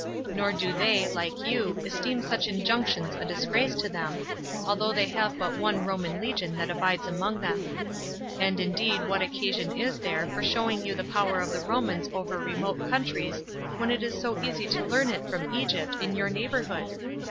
Nor do they, like you, esteem such injunctions a disgrace to them, although they have but one Roman legion that abides among them. And indeed what occasion is there for showing you the power of the Romans over remote countries, when it is so easy to learn it from Egypt, in your neighborhood?